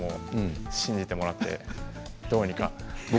信じてもらって、どうにか。